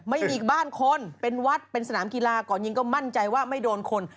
ไม่มีอีกบ้านคนเป็นวัดเป็นสนามกีฬาก่อนยิงก็มั่นใจว่าไม่โดนคน